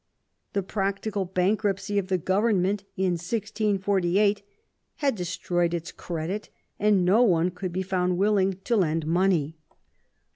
The practical bankruptcy of the government in 1 648 had destroyed its credit, and no one could be found willing to lend money.